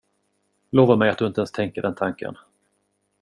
Lova mig att du inte ens tänker den tanken.